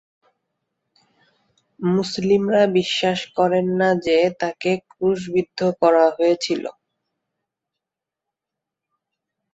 মুসলিমরা বিশ্বাস করেন না যে, তাঁকে ক্রুশবিদ্ধ করা হয়েছিল।